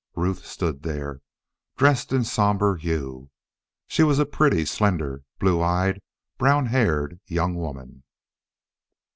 Ruth stood there, dressed in somber hue. She was a pretty, slender, blue eyed, brown haired young woman.